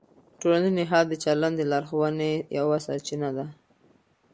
ټولنیز نهاد د چلند د لارښوونې یوه سرچینه ده.